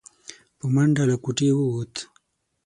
په منډه له کوټې ووت.